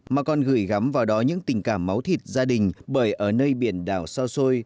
mà còn gửi gắm vào đó những tình cảm máu thịt gia đình bởi ở nơi biển đảo xa xôi